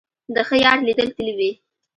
د ښه یار لیدل تل وي.